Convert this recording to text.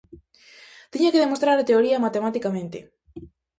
Tiña que demostrar a teoría matematicamente.